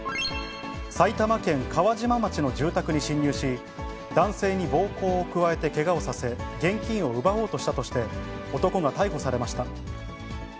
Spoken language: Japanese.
埼玉県川島町の住宅に侵入し、男性に暴行を加えてけがをさせ、現金を奪おうとしたとして、男が逮捕されました。